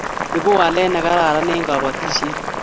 Ibu walet ne kararan eng kapotishet